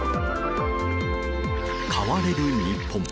買われる日本。